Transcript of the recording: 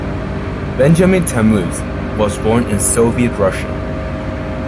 Benjamin Tammuz was born in Soviet Russia.